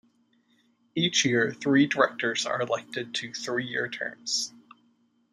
Each year, three directors are elected to three-year terms.